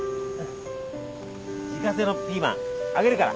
自家製のピーマンあげるから。